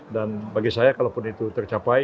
dan bagi saya kalaupun itu tercapai